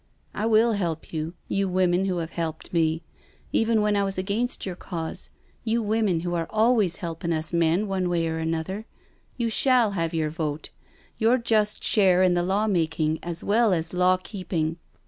I will help you— you women who have helped me — even when I was against your cause — you women who are always helpin' us men one way or another— you shall have your vote, your just share in the law making as well as law keeping.